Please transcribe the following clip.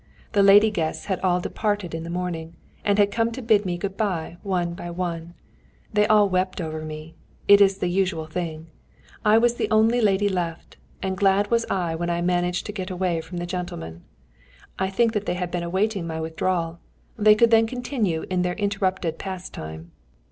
The lady guests had all departed in the morning, and had come to bid me good bye one by one. They all wept over me it is the usual thing. I was the only lady left, and glad was I when I managed to get away from the gentlemen. I think that they had been awaiting my withdrawal; they could then continue their interrupted pastime.